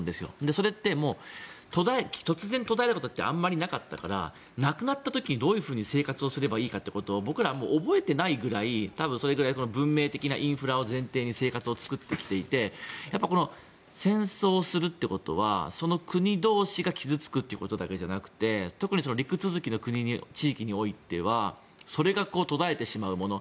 それって突然途絶えることってあまりなかったからなくなった時にどう生活をすればいいかってことを僕らは覚えていないぐらい多分、それぐらい文明的なインフラを前提に生活を作ってきていて戦争をするということはその国同士が傷付くということだけじゃなくて特に陸続きの地域においてはそれが途絶えてしまうもの。